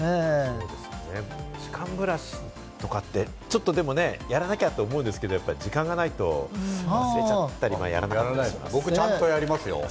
歯間ブラシとかって、でも、やらなきゃと思うんですけど、時間がないと、忘れちゃったり、やらなかったりしますけど。